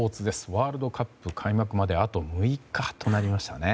ワールドカップ開幕まであと６日となりましたね。